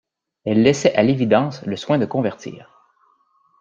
Elle laissait à l'évidence le soin de convertir.